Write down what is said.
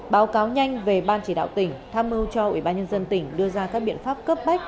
báo cáo nhanh về ban chỉ đạo tỉnh tham mưu cho ủy ban nhân dân tỉnh đưa ra các biện pháp cấp bách